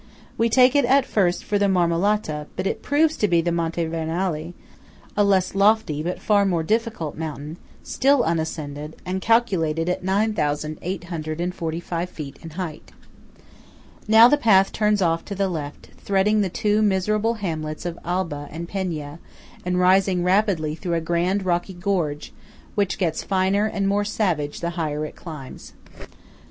We take it at first for the Marmolata; but it proves to be the Monte Vernale, a less lofty but far more difficult mountain, still unascended, and calculated at 9,845 feet in height. Now the path turns off to the left, threading the two miserable hamlets of Alba and Penia, and rising rapidly through a grand rocky gorge which gets finer and more savage the higher it climbs.